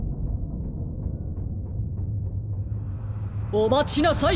おまちなさい！